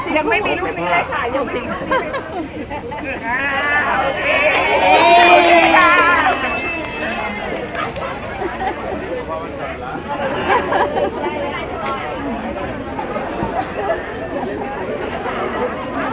ยังไม่มีลูกนี้เลยค่ะ